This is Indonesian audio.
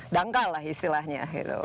dangkal lah istilahnya